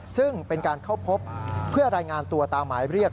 ซึ่งเป็นการเข้าพบเพื่อรายงานตัวตามหมายเรียก